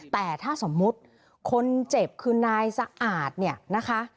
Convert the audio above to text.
แต่ถ้าสมมุติคนเจ็บคือนายสะอาดเนี่ยนะคะ